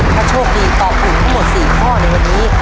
ถ้าโชคดีตอบถูกทั้งหมด๔ข้อในวันนี้